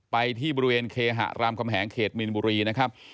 ไปที่บริเวณเคหะรามคำแหงเขตมีนบุรีนะครับ